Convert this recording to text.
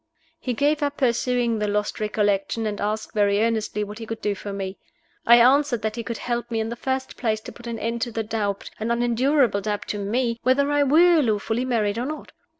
He gave up pursuing the lost recollection, and asked, very earnestly, what he could do for me. I answered that he could help me, in the first place, to put an end to the doubt an unendurable doubt to me whether I were lawfully married or not.